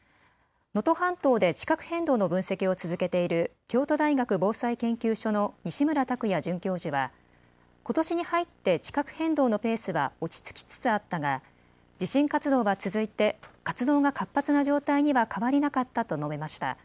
能登半島で地殻変動の分析を続けている京都大学防災研究所の西村卓也准教授はことしに入って地殻変動のペースは落ち着きつつあったが地震活動が続いて活動が活発な状態には変わりなかったと述べました。